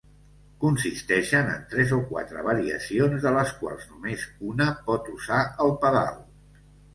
Consisteixen en tres o quatre variacions de les quals només una pot usar el pedal.